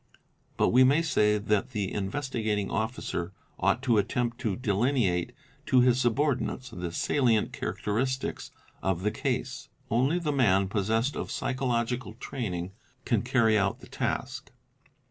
But we may say that the Investigating Officer ought to attempt to delineate to his subordinates the salient character istics of the case. Only the man possessed of psychological training can carry out the task.